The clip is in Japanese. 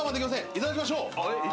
いただきましょう。